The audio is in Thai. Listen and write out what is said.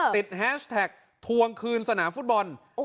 แฮชแท็กทวงคืนสนามฟุตบอล